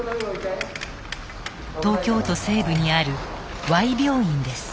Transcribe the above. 東京都西部にあるＹ病院です。